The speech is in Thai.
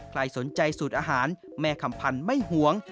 ใครสนใจสูตรอาหารแม่คำพันธ์ไม่หวง